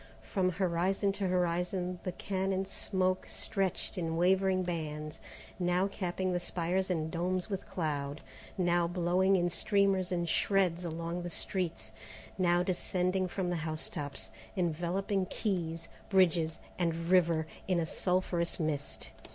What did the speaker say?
From horizon to horizon the cannon smoke stretched in wavering bands, now capping the spires and domes with cloud, now blowing in streamers and shreds along the streets, now descending from the housetops, enveloping quays, bridges, and river, in a sulphurous mist.